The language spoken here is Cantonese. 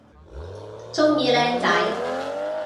鍾意靚仔